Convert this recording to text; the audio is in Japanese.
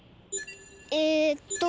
えっと。